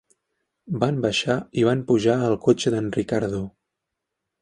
Van baixar i van pujar al cotxe d'en Ricardo.